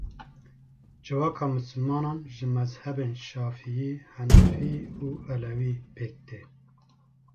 Civaka misilmanan ji mezhebên şafiî, henefî û elewî pêk tê.